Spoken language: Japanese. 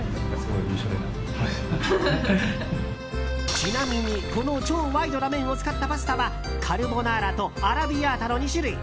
ちなみに、この超ワイドな麺を使ったパスタはカルボナーラとアラビアータの２種類。